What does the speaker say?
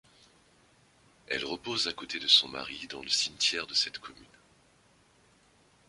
Elle repose à côté de son mari dans le cimetière de cette commune.